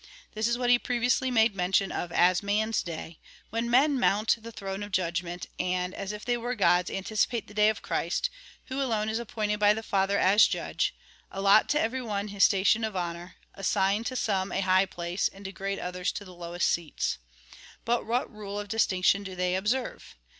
This is what he previously made men tion of as man's day — ^when men mount the throne of judg ment, and, as if they were gods, anticipate the day of Christ, wdio alone is appointed by the Father as judge, allot to every one his station of honour, assign to some a high place, and degrade others to the lowest seats. But M^hat nile of distinction do they observe